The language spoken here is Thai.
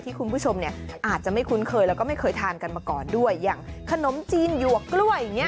คุณผู้ชมเนี่ยอาจจะไม่คุ้นเคยแล้วก็ไม่เคยทานกันมาก่อนด้วยอย่างขนมจีนหยวกกล้วยอย่างเงี้